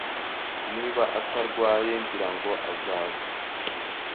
Niba atarwaye, ngira ngo azaza.